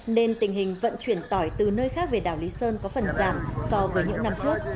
nên tình hình vận chuyển tỏi từ nơi khác về đảo lý sơn có phần giảm so với những năm trước